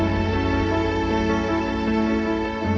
oh itu penyerahan